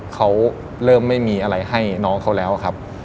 เขาเริ่มไม่มีอะไรให้น้องเขาแล้วครับ